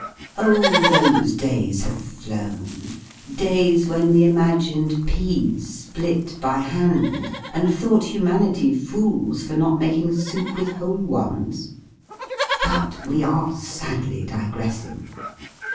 Oh! those days have flown days when we imagined peas split by hand, and thought humanity fools for not making soup with whole ones but we are sadly digressing!